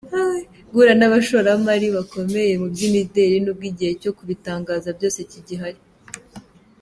guhura n’abashoramari bakomeye mu by’imideli. nubwo igihe cyo kubitangaza byose kigihari.